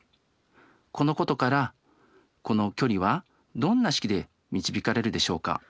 このことからこの距離はどんな式で導かれるでしょうか？